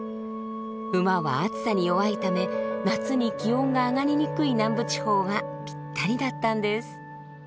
馬は暑さに弱いため夏に気温が上がりにくい南部地方はぴったりだったのです。